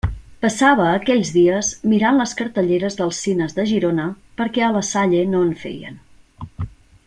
Passava aquells dies mirant les cartelleres dels cines de Girona perquè a la Salle no en feien.